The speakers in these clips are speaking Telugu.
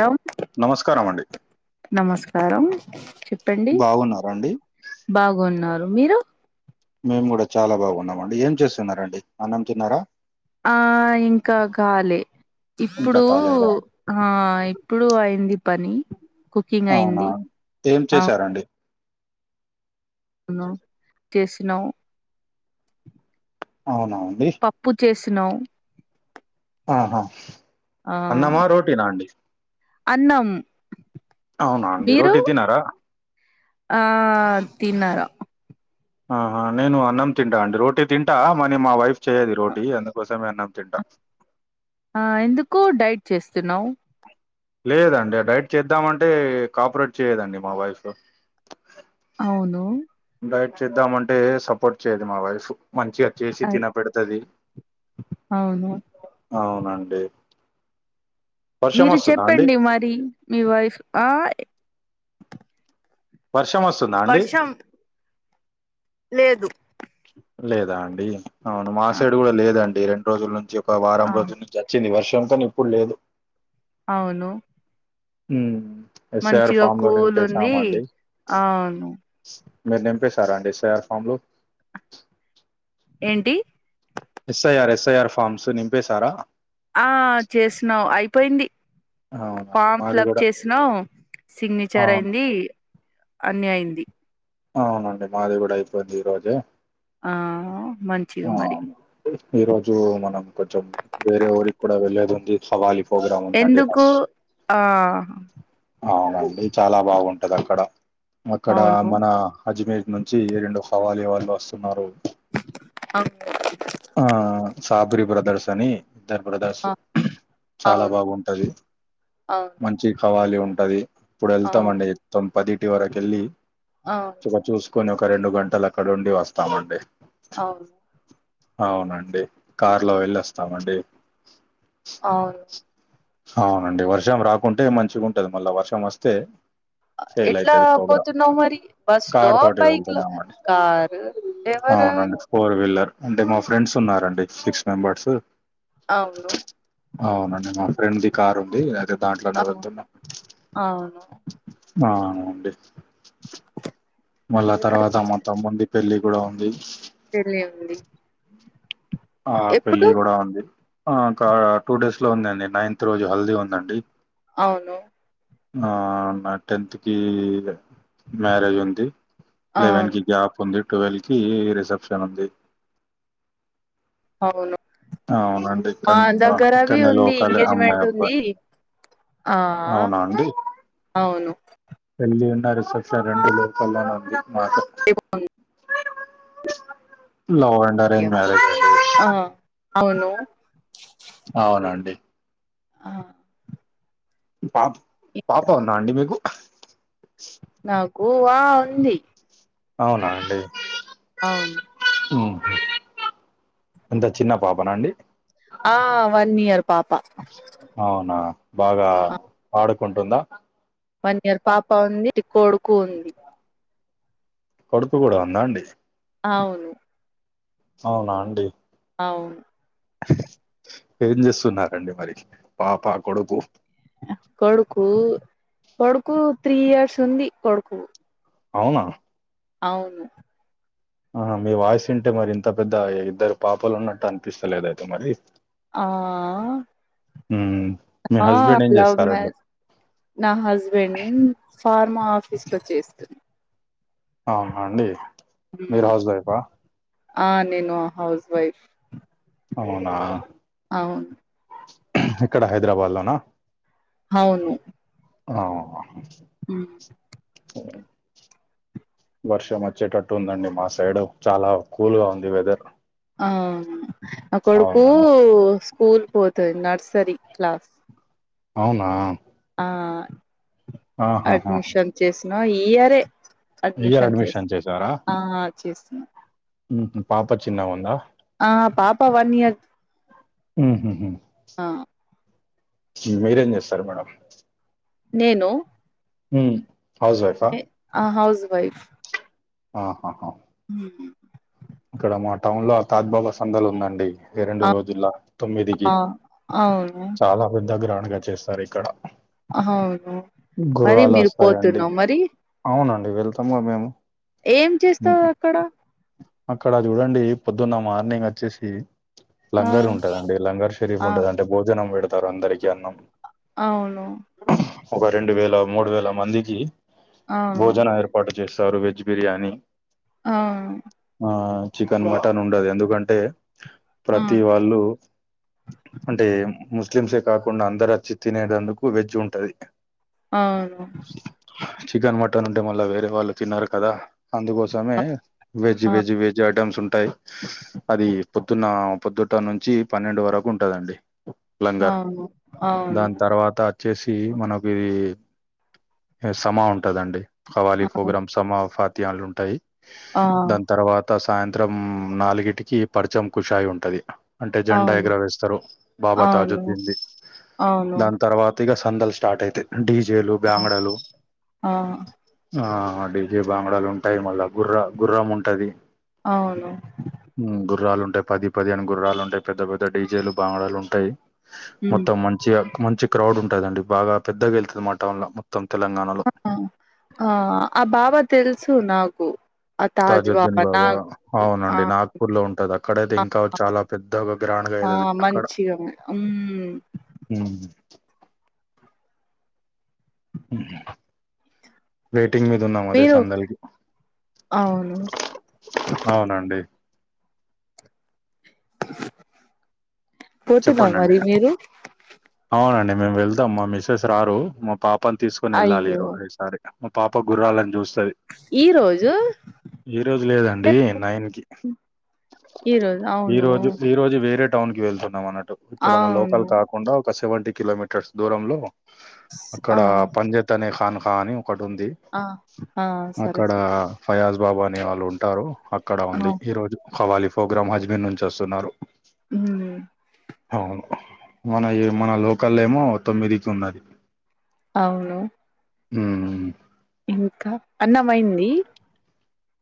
యం నమస్కారం అండి నమస్కారం, చెప్పండి బాగున్నారండి బాగున్నారు మీరు? మేమ్ కూడ చాలా బాగున్నామండి, ఏం చేస్తున్నరండి, అన్నం తిన్నారా? ఆ ఇంకా గాలే ఇంకా ఇప్పుడు కాలేదా ఆ ఇప్పుడు అయింది పని, కుకింగ్ అవునా అయింది ఏం చేసా న తీసినౌ అవునా అండి ప్పు చేసినౌ ఆహా ఆ అన్నమా, రోటీనా అండి? అన్నం అవునా అండి, మీరు రోటీ తినరా? ఆ తినరా ఆహా నేను అన్నం తింటా అండి, రోటీ తింటా మనీ మా వైఫ్ చేయది రోటీ అందుకోసమే అన్నం తింటా. ఆ ఎందుకు డైట్ చేస్తున్నావు? లేదండి ఆ డైట్ చేద్దామంటే కోపరేట్ చేయదండి మా వైఫు. అవును డైట్ చేద్దాంమంటే సపోర్ట్ చేయది మా వైఫు, మంచిగా చేసి ఐ- తినబెడతది అవును అవునండి వర్షం మీరు వస్తుందా అండి చెప్పండి మరి, మీ వైఫ్ ఆ వర్షమస్తుందా అండి? వర్షం లేదు లేదా అండి అవును మా ఆ సైడు గుడ లేదండి, రెండ్రోజుల్ నుంచి ఒక వారం ఆ, రోజుల్ నుంచి అచ్చింది వర్షం కనీ ఇప్పుడ్ లేదు. అవును ఉమ్ ఎస్ ఐ ఆర్ మంచిగా ఫామ్ లు కూల్ ఉంది నింపెసామండి. అవును మీర్ నింపేసారా అండి ఎస్ ఐ ఆర్ ఫామ్లు? ఏంటి? ఎస్ఐఆర్ ఎస్ఐఆర్ ఫామ్స్ నింపేసార? ఆ చేసినవ్ అయిపోయింది. అవునండి ఫామ్ మాది ఫిలప్ కూడా చేసినవ్ సిగ్నిచర్ అవును అయింది అన్ని అయింది. అవునండి మాది కూడ అయిపోయింది ఈరోజే ఆ మంచిగా ఆ మరి ఈ రోజు మనం కొంచెం వేరే ఊరికి కూడా వెళ్లేదుంది. హవాలీ ఫోగ్రాం ఉందండి ఎందుకు బస్ ఆ అవునండి చాలా బాగుంటదక్కడ అక్కడ ఆ అవును ఆ అజ్మేర్ నుంచి రెండు హవాలీ వాళ్ళు వస్తున్నరు. అవ్ ఆ చాపురి బ్రదర్సని ద్దరు బ్రదర్స్ ఆ, చాలా అవును బాగుంటది అవును మన్ చి కవాలీ ఉంటది. ఇప్పుడు ఆ, ఎళ్తామండి తొమ్ పదిటి వరకు ఎళ్ళి ఆ ఇగ చూసుకొని ఒక రెండు గంటలు అక్కడుండి వస్తామండి. అవ్ అవునండి కార్ లో వెళ్ళి వస్తామండి. అవున్ అవునండి వర్షం రాకుంటే మంచిగుంటది మళ్ళ వర్షమొస్తే ఫెయిల్ ఎట్లా అయితది ప్రోగ్రా పోతున్నావు మరి బస్ లో కార్ తోటే బైక్ లో వెళ్తునమండి. కారు ఎవరు అవునండి. ఫోర్ వీలర్ అంటే మా ఫ్రెండ్స్ ఉన్నారండి సిక్స్ మెంబర్స్ అవును అవునండి. మా ఫ్రెండ్ ది కార్ ఉంది, అయితే దాంట్లోనే అవును వెళ్తున్నాం. అవును ఆ అండి మళ్ళ ఇంకా తర్వాత మా తమ్మున్ది పెళ్లి కూడా ఉంది. పెళ్లి ఉంది ఆ పెళ్ళి ఎప్పుడు కూడా ఉంది. ఆ కా టూ డేస్ లో ఉందండి నైన్త్ రోజు హల్దీ ఉందండి. అవును ఆ న టెన్త్కి గ మ్యారేజుంది. ఆ లెవెన్ కి గ్యాప్ ఉంది, టువెల్ కి రిసెప్షన్ ఉంది. అవును అవునండి మా కన్నూ దగ్గరవి ఇక్కన్నే ఉంది లోకలే ఎంగేజ్మెంట్ అమ్మాయ్ ఉంది అబ్బాయ్ అవునా అండి అవున్ పెళ్లి అన్న రిసెప్షన్ రెండు లోకల్ లోనే ఉంది మాత ఓ అన్ లవ్ అండ్ అరేంజ్ మ్యారేజే ఆ అవును అవునండి ఆ పాప్ పాప ఉందా అండి మీకు? నాకు వా ఉంది అవునా అండి అవున్ ఉహు ఎంత చిన్న పాపనా అండి? ఆ వన్ ఇయర్ పాప అవునా బాగా ఆ! ఆడుకుంటుందా? వన్ ఇయర్ పాప ఉంది కొడుకు ఉంది కొడుకు కూడా ఉందా అండి అవును అవునా అండి అవును ఏం చేస్తున్నారండి మరి పాప కొడుకు కొడుకు కొడుకు త్రీ ఇయర్స్ ఉంది కొడుకు అవునా అవును ఆహ మీ వాయిస్ వింటే మరి ఇంత పెద్ద ఇద్దరు పాపలు ఉన్నట్టు అనిపిస్తలేదయితే మరి ఆ హ్మ్ ఆ లవ్ మ్యారేజ్ నా హస్బెండ్ ఫార్మా ఆఫీస్ లో చేస్తూ ఆహా అండి మీరు ఉమ్ హౌస్ వైఫా ఆ అండీ నేను హౌస్ వైఫ్ అవునా అవును ఎక్కడ హైదరాబాద్ లోనా అవును అవునా ఉమ్ [inaudible] వర్షం వచ్చేటట్టు ఉందండి మా సైడ్ చాలా కూల్ గా ఉంది వెదర్ ఆ అవును నా కొడుకు అవునండి స్కూల్ కు పోతది నర్సరీ క్లాస్ అవునా ఆ ఆహాహా అడ్మిషన్ చేసినా ఈ ఇయరే ఇయర్ అడ్మిషన్ చేస్తు చేశారా ఆ చేస్తున పాప చిన్నగా ఉందా ఆ పాప వన్ ఇయర్ ఉమ్ హు ఆ మీరేం చేస్తారు మేడం నేను హ్మ్ హౌస్ వైఫ్ ఆ ఎ ఆ హౌస్ వైఫ్ ఆహాహా ఉమ్ ఇక్కడ మా టౌన్ లో తాత్బాబా సందలు ఉందండి ఈ రెండు ఆ రోజుల తొమ్మిదికి ఆ అవును చాలా పెద్ద గ్రాండ్ గా చేస్తారు ఇక్కడ అవును మరి మీరు గుర్రాలొస్తాయండి. పోతున్నాం మరి అవునండి వెళ్తాము మేము ఏం హ్మ్. చేస్తావు అక్కడ అక్కడ చూడండి పొద్దున్న మార్నింగ్ వచ్చేసి ఆ లంగర్ ఉంటదండి లంగర్ షరీఫ్ ఆ ఉంటుంది అంటే భోజనం పెడతారు అందరికీ అన్నం అవును ఒక రెండు వేల మూడు వేల మందికి అవును భోజనం ఏర్ప [unintelligible] చేస్తారు వెజ్ బిర్యానీ ఆ ఆ చికెన్ మటన్ ఉండదు ఎందుకంటే ప్రతి అవును వాళ్ళు అంటే [unintelligible] ముస్లిమ్సే కాకుండా అందరుచ్చి తినేటందుకు వెజ్ ఉంటుంది అవును చికెన్ మటన్ ఉంటే మళ్ళా వేరే వాళ్ళు తిన్నరు కదా అందుకోసమే [unintelligible] వెజ్ ఆ వెజ్ ఐటమ్స్ ఉంటాయ్ అది పొద్దున్న పొద్దుట నుంచి పన్నెండు వరకు ఉంటదండి [unintelligible] అవును అవును దాని తర్వాత వచ్చేసి మనకి ఇది సమా ఉంటదండి హవాలీ అవును ప్రోగ్రామ్ సమ ఫాతియాన్లు ఉంటాయి ఆ దాని తర్వాత సాయంత్రం నాలుగింటికి పర్చం కుషాయి ఉంటాది అంటే జెండా అవును ఎగర వేస్తారు బాబ అవును తాజుద్దీన్ ది అవును దాని తర్వ తిగా సందాలు స్టార్ట్ అయితాయి డీజేలు ఆ బ్యాంగడలు ఆ, ఆ డీజే బాంగడాలు ఉంటాయ్ మళ్ళా గుర్ర గుర్రం ఉంటది అవును గుర్రాలు ఉంటాయి పది పది అని గుర్రాలు ఉంటాయి పెద్ద పెద్ద డీజేలు బాంగడాలు ఉంటాయి ఉమ్ మొత్తం మంచిగా మంచి క్రౌడ్ ఉంటాదండి బాగా పెద్దగా వెళ్తుంది మా టౌన్ లో మొత్తం తెలంగాణలో ఆ ఆ ఆ బా [unintelligible] తెలుసు నాకు ఆ తాజ్ తాజుద్దీన్ బాబా నాకు ఆ అవునండి నాగ్పూర్ లో ఉంటది అక్కడయితే ఇంకా చాల పెద్ద ఒక [unintelligible] ఆ అయిది అక్కడ మంచిగా ఉం- ఉమ్ ఉ వెయిటింగ్ మీద ఉన్నాము అదే మీరు సందడి అవును అవునండి పోతున్నాం చెప్పండండి మరి మీరు అవునండి మేము వెళ్దాం మా మిస్సెస్ రారు మా పాప పాపని తీసుకొని వెళ్ళాలి అయ్యో ఈ సారి మా పాప గుర్రాలని చూస్తుది ఈ రోజు ఈ రోజు లేదండి నైన్ కి ఈ రోజు [inaudible] ఈ అవును రోజు ఈ రోజు వేరే టౌన్ కి వెళ్తున్నాం అన్నటు ఇక్కడ మా లోకల్ అవును కాకుండ ఒక సెవెంటీ కిలోమీటర్స్ దూరంలో స్- అక్కడ ఆ పంజెత్ అనే ఖాన్ ఖా అ ఒకటి ఉంది ఆ ఆ సరే అక్కడ సరే ఫయాజ్ బాబ అని వాళ్ళు ఉంటారు అక్కడ ఆ ఉంది ఈ రోజు ఖవాలీ ప్రోగ్రామ్ హజ్మీర్ నుంచి వస్తున్నారు హు అవును మన మన లోకల్ ఏమో తొమ్మిదికి ఉన్నది అవును ఉ ఇంక అన్నమయింది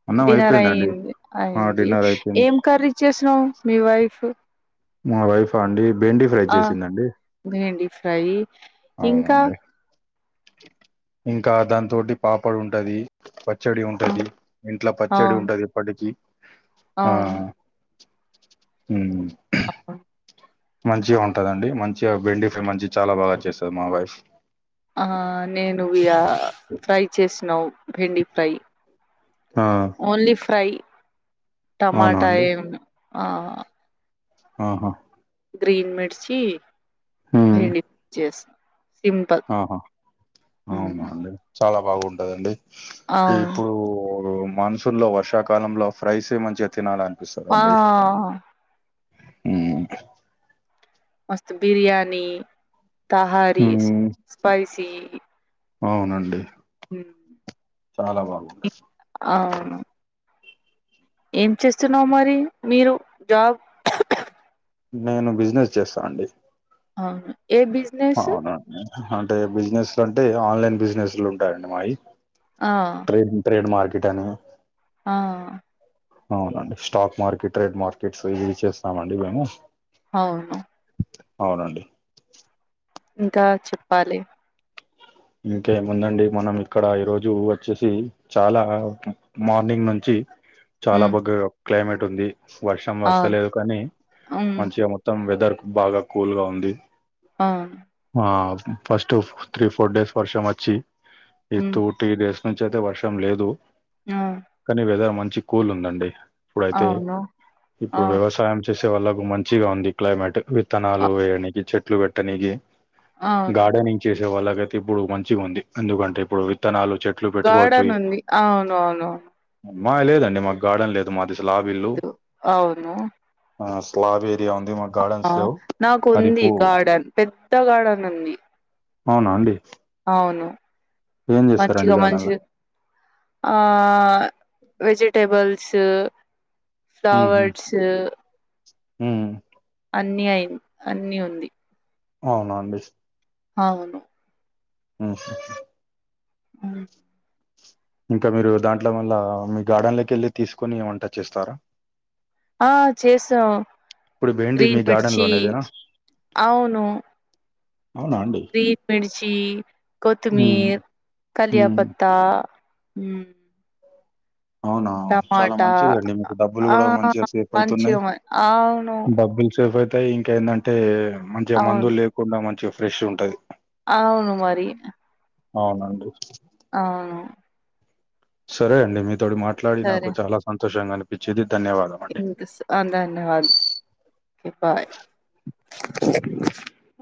అన్నం డిన్నర్ అయిపోయిందండి అయింది అయింది డిన్నర్ అయిపోయింది ఏం కర్రీచ్చేసినావు మీ వైఫ్ మా వైఫ అండి బెండి ఫ్రై ఆ చేసిందండి భేండి ఫ్రై ఇంకా అవునండి ఇంకా దాని తోటి పాపడు ఉంటది పచ్చడి ఉంటది ఇంట్లో పచ్చడి అవును ఉంటది ఇప్పటిక ఆ అవును హు [unintelligible] మంచిగా ఉంటదండి మంచిగా బెండిఫై మంచిగా చాలా బాగ చేస్తుంది మా వైఫ్ నేను ఇగ ఫ్రై చేసినావు బెండి ఫ్రై ఆ! ఓన్లీ ఫ్రై అవునా టమాటా అండి? ఏమి ఆ ఆహా గ్రీన్ మిర్చి హ్మ్. బెండి చేసాం ఆహా అవునా అండి చాలా బాగుంటదండి ఈ అవును ఇప్పుడు మన లో వర్షాకాలంలో ఫ్రైస్ మంచిగా తినాలని ఆ హ్మ్. మస్తు బిర్యానీ తహారీ హ్మ్. స్పైసీ అవునండి హ్మ్ చాలా బాగుంటారు అవును ఏం చేస్తున్నావు మరి మీరు జాబ్ నేను బిజినెస్ చేస్తా అండి అవును ఏ బిజ్ అవునండి అంటే బిజినెస్లు అంటే ఆన్లైన్ బిజినెస్లు ఉంటాయండి మావి ఆ ట్రేడ్ మార్కెట్ అని ఆ అవునండి స్టాక్ మార్కెట్ ట్రేడ్ మార్కెట్స్ ఇవి చేస్తామండి మేము అవును అవునండి ఇంకా చెప్పాలి ఇంకేముందండి మనం ఇక్కడ ఈ రోజు వచ్చేసి చాలా మార్నింగ్ నుంచి చాలా హ్మ్. బగ క్లైమేట్ ఉంది వర్షం అవును. వస్తలేదు కానీ హ్మ్. మంచిగా మొత్తం వెదర్ బాగా కూల్గా ఉంది అవును ఆ ఫస్ట్ త్రీ ఫోర్ డేస్ వర్షం వచ్చి హ్మ్. [unintelligible] త్రీ డేస్ నుంచి అయితే వర్షం లేదు ఆ కానీ వెదర్ మంచి కూల్ ఉందండి ఇప్పుడైతే అవును. ఆ! ఇప్పుడు వ్యవసాయం చే చేసే వాళ్ళకు మంచిగా ఉంది క్లైమేట్ అ విత్తనాలు వేయడానికి చెట్లు పెట్టనికి అవును. గార్డెనింగ్ చేసే వాళ్ళకయితే ఇప్పుడు మంచిగా ఉంది ఎందుకంటే ఇప్పుడు విత్తనాలు చెట్టు గార్డెన్ ఉంది అవును అవును మాది లేదండి మాకు గార్డెన్ లేదు మాది స్లాబ్ ఇల్లు అవును. ఆ స్లాబ్ ఏరియా ఉంది మ ఆ నాకు ఉంది గార్డెన్ పెద్ద గార్డెన్ ఉంది అవునా అండి అవును ఏం చేస్తారండి మంచిగా గార్డెన్ మంచి లో ఆ వెజిటబుల్స్ ఫ్లవర్సు హ్మ్ అన్ని అయి అన్ని ఉంది అవునా అండి అవును ఉహు హు మ్మ్ ఇంకా మీరు దాంట్లో మల్ల మీ గార్డెన్ లోకి వెళ్ళి తీసుకొని వంట చేస్తారా ఆ చేసాం ఇప్పుడు భేండి మీ గ్రీన్ గార్డెన్ మిర్చి లోనేదేనా అవును అవునా అండి గ్రీన్ మిర్చి, ఉ కొత్తిమీర్, ఉ కలియాపత్తా ఉ అవునా చాలా మంచిగా అండి మీకు డబ్బులు ఆ కూడా మంచిగా సేఫ్ అయితున్నాయి మంచిగా మ అవును డబ్బులు సేఫ్ అయితాయి ఇంకా ఎందంటే మంచిగా అవును మందులు లేకుండా మంచిగా ఫ్రెష్ ఉంటది అవును మరి అవునండి అవును సరే అండి మీతోడు మాట్లాడి నాకు సరే చాలా సంతోషంగా అనిపిచేది ధన్యవాదాలు వినిపిస్తంద [unintelligible]